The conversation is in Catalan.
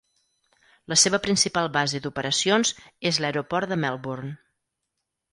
La seva principal base d'operacions és l'Aeroport de Melbourne.